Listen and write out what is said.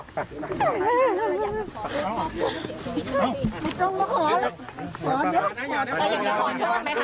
เดี๋ยวพอ